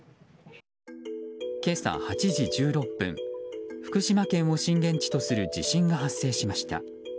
今朝８時１６分福島県を震源地とする地震が発生しました。